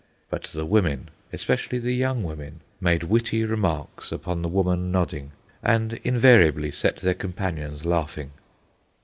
But the women, especially the young women, made witty remarks upon the woman nodding, and invariably set their companions laughing.